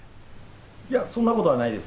いや、そんなことはないです。